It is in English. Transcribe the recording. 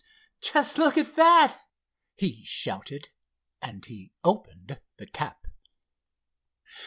"Just look at that!" he shouted and he opened the cap.